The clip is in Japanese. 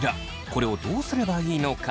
これをどうすればいいのか？